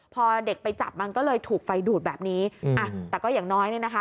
พอเด็กไปจับมันก็เลยถูกไฟดูดแบบนี้อ่ะแต่ก็อย่างน้อยเนี่ยนะคะ